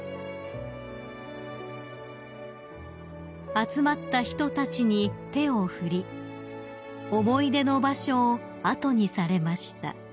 ［集まった人たちに手を振り思い出の場所を後にされました］